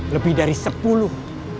lebih dari sepuluh